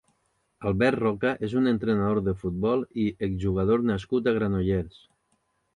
Albert Roca és un entrenador de futbol i exjugador nascut a Granollers.